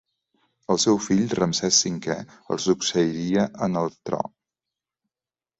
El seu fill, Ramsès V, el succeiria en el tron.